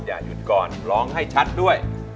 อย่าหยุดก่อนร้องให้ชัดด้วย